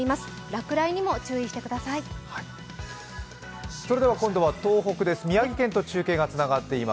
落雷にも注意してください。